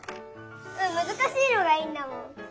うんむずかしいのがいいんだもん。